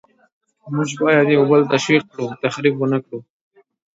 موږ باید یو بل تشویق کړو، تخریب ونکړو.